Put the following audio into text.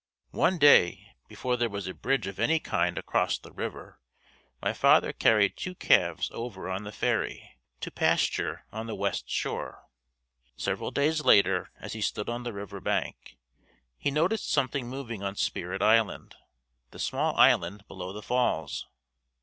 One day, before there was a bridge of any kind across the river, my father carried two calves over on the ferry, to pasture on the west shore. Several days later as he stood on the river bank, he noticed something moving on Spirit Island, the small island below the falls.